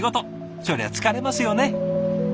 そりゃ疲れますよね。